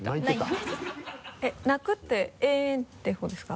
「なく」ってえんって方ですか？